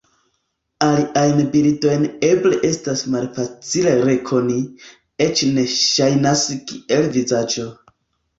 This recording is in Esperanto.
Aliajn bildojn eble estas malfacile rekoni, eĉ ne ŝajnas kiel vizaĝo.